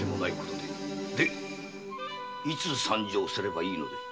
でいつ参上すればいいので？